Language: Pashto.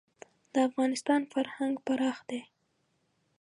د افغانستان فرهنګ پراخ دی.